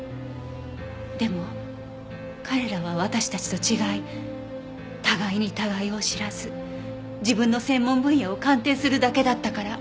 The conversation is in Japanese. でも彼らは私たちと違い互いに互いを知らず自分の専門分野を鑑定するだけだったから。